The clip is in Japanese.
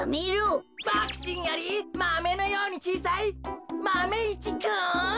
ボクちんよりマメのようにちいさいマメ１くん！